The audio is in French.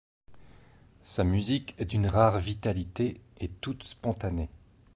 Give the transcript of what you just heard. Sa musique est d'une rare vitalité et toute spontanée.